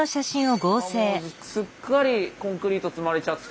もうすっかりコンクリート積まれちゃって。